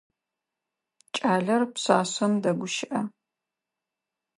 Кӏалэр пшъашъэм дэгущыӏэ.